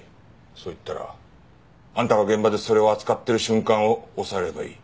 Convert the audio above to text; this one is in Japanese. そう言ったらあんたが現場でそれを扱ってる瞬間を押さえればいい。